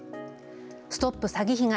ＳＴＯＰ詐欺被害！